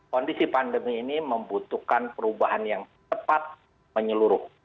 kondisi pandemi ini membutuhkan perubahan yang tepat menyeluruh